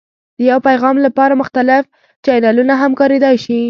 د یو پیغام لپاره مختلف چینلونه هم کارېدای شي.